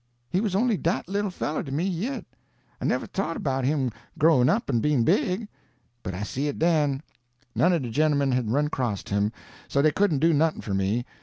He was only dat little feller to ME yit. I never thought 'bout him growin' up an' bein' big. But I see it den. None o' de gemmen had run acrost him, so dey couldn't do nothin' for me.